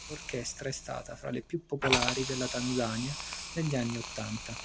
L'orchestra è stata fra le più popolari della Tanzania negli anni ottanta.